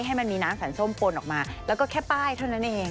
ให้มันมีน้ำสันส้มปนออกมาแล้วก็แค่ป้ายเท่านั้นเอง